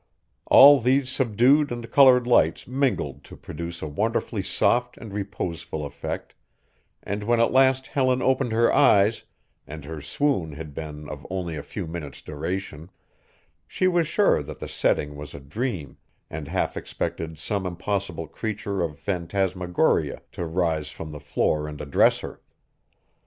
All these subdued and colored lights mingled to produce a wonderfully soft and reposeful effect, and when at last Helen opened her eyes and her swoon had been of only a few minutes' duration she was sure that the setting was a dream and half expected some impossible creature of phantasmagoria to rise from the floor and address her.